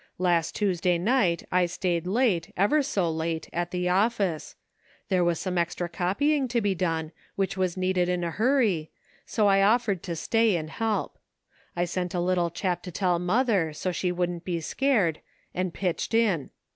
Last Tuesday night I staid late, ever so late, at the office. There was some extra copying to be done, which was needed in a hurr} , so I offered to stay and help. I sent a little chap to tell mother, so she wouldn't be scared, and pitched in.